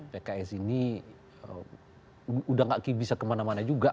pks ini udah gak bisa kemana mana juga